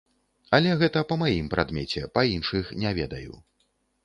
Але гэта па маім прадмеце, па іншых не ведаю.